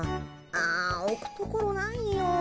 あおくところないよ。